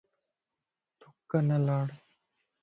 ٿُک نه لاڻ